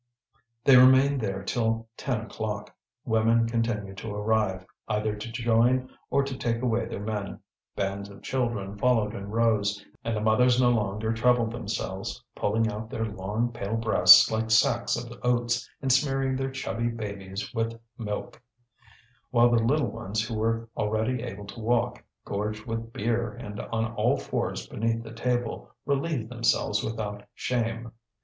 They remained there till ten o'clock. Women continued to arrive, either to join or to take away their men; bands of children followed in rows, and the mothers no longer troubled themselves, pulling out their long pale breasts, like sacks of oats, and smearing their chubby babies with milk; while the little ones who were already able to walk, gorged with beer and on all fours beneath the table, relieved themselves without shame.